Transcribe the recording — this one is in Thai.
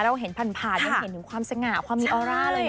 เราเห็นผ่านผ่านยังเห็นถึงความสง่าความมีออร่าเลยนะ